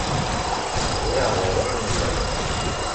D aɛdawen i nella.